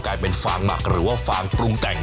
กลายเป็นฟางหมักหรือว่าฟางปรุงแต่ง